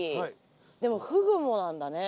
でもフグもなんだね。